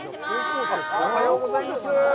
おはようございます。